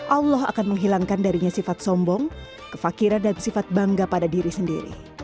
allah akan menghilangkan darinya sifat sombong kefakiran dan sifat bangga pada diri sendiri